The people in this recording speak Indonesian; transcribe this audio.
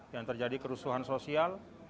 yang terjadi kerusuhan sosial